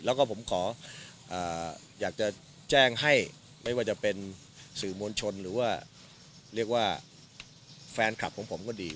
แล้วก็ผมขออยากจะแจ้งให้ไม่ว่าจะเป็นสื่อมวลชนหรือว่าเรียกว่าแฟนคลับของผมก็ดี